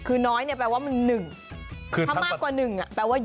คือน้อยแปลว่ามันหนึ่ง